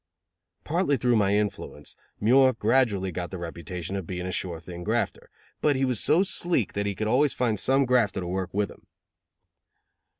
Partly through my influence, Muir gradually got the reputation of being a sure thing grafter, but he was so sleek that he could always find some grafter to work with him.